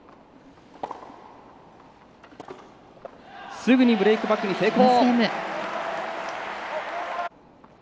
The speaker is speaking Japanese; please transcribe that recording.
すぐにブレークバックに成功。